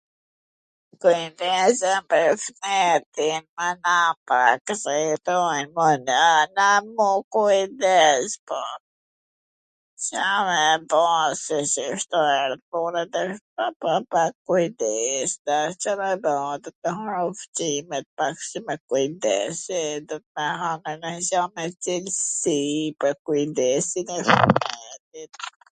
Kujdesem pwr shnetin, mana, .... m u kujdes ... po Ca me bo se qikshtu erdh puna tashti ... po, po pak kujdes... Ca me ba... do ta ha ushqimin pak si me kujdes... do ta ha me nonj gja me cilsi ... pwr kujdesin e shnetit...